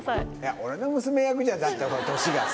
俺の娘役じゃだってほら年がさ。